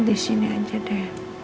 di sini aja deh